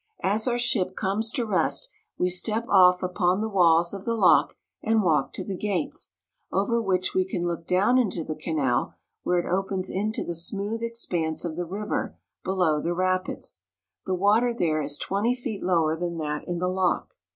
As our ship comes to rest, we step off upon the walls of the lock, and walk to the gates, over which we can look down into the canal, where it opens into the smooth ex panse of the river below the rapids. The water there is twenty feet lower than that in the lock.